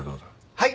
はい。